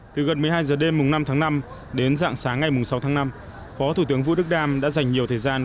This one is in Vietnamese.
từ gần một mươi hai h đêm năm tháng năm đến dạng sáng ngày sáu tháng năm phó thủ tướng vũ đức đam đã dành nhiều thời gian